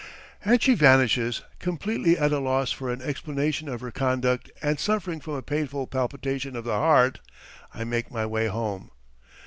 And she vanishes. Completely at a loss for an explanation of her conduct and suffering from a painful palpitation of the heart, I make my way home.